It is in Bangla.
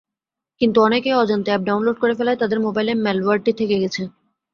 কিন্তু অনেকেই অজান্তে অ্যাপ ডাউনলোড করে ফেলায় তাদের মোবাইলে ম্যালওয়্যারটি থেকে গেছে।